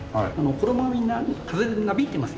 衣がみんな風になびいてますよね。